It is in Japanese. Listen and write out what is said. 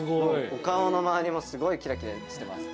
◆お顔の周りもすごいきらきらしてます。